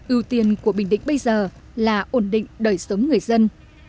ưu tiên của bình định bây giờ là ổn định đời sống người dân